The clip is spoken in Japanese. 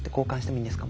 いいんですか？